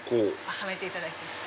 はめていただける。